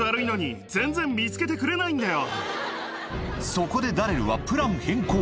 そこでダレルはプラン変更